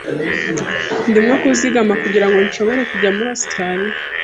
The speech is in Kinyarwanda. Ndimo kuzigama kugirango nshobore kujya muri Ositaraliya.